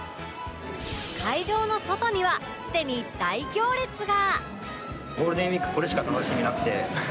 会場の外にはすでに大行列が！